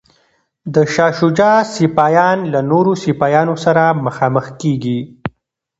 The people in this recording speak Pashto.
د شاه شجاع سپایان له نورو سپایانو سره مخامخ کیږي.